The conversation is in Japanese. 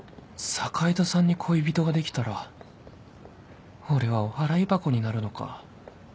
坂井戸さんに恋人ができたら俺はお払い箱になるのか